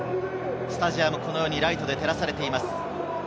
スタジアム、このようにライトで照らされています。